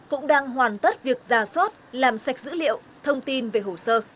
cũng đang hoàn tất việc ra soát làm sạch dữ liệu thông tin về hồ sơ